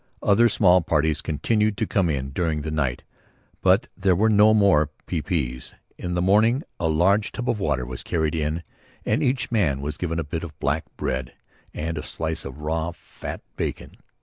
Other small parties continued to come in during the night, but there were no more P.P.'s. In the morning a large tub of water was carried in and each man was given a bit of black bread and a slice of raw fat bacon.